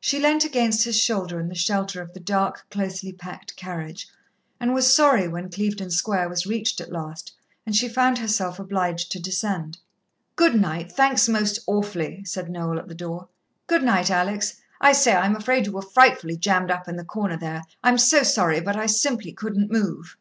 She leant against his shoulder in the shelter of the dark, closely packed carriage, and was sorry when Clevedon Square was reached at last, and she found herself obliged to descend. "Good night thanks most awfully," said Noel at the door. "Good night, Alex. I say, I'm afraid you were frightfully jammed up in the corner there I'm so sorry, but I simply couldn't move."